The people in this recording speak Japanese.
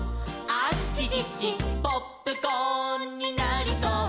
「あちちちポップコーンになりそう」